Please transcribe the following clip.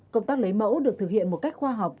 công tác lấy mẫu được thực hiện một cách khoa học